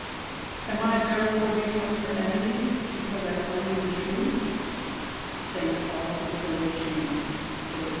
'■'■Am I therefore become your enemy, because I tell you the truth? " (St. Paul to the Galatians iv.